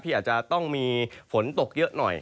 อาจจะต้องมีฝนตกเยอะหน่อย